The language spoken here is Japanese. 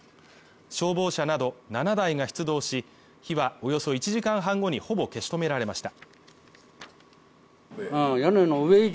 消防車など７台が出動し、火はおよそ１時間半後にほぼ消し止められました。